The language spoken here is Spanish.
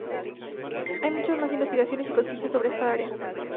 Hay mucha más investigación y conciencia sobre esta área.